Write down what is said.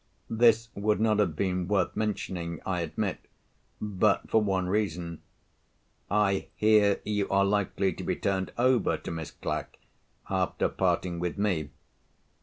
This would not have been worth mentioning, I admit, but for one reason. I hear you are likely to be turned over to Miss Clack, after parting with me.